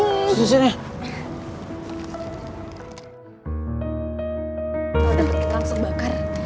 udah beritahunya langsung bakar